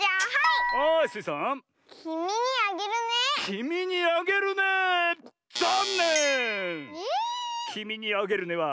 「きみにあげるね」は。